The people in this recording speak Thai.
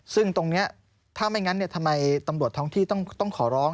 ซึ่งตรงนี้ถ้าไม่งั้นทำไมตำรวจท้องที่ต้องขอร้อง